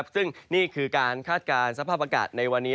ซึ่งนี่คือการคาดการณ์สภาพอากาศในวันนี้